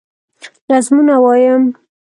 نظمونه وايم